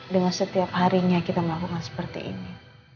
dengan setiap harinya kita melakukan seperti ini